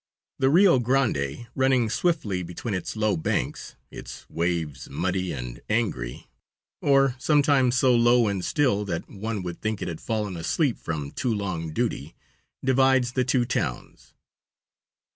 The Rio Grande, running swiftly between its low banks, its waves muddy and angry, or sometimes so low and still that one would think it had fallen asleep from too long duty, divides the two towns.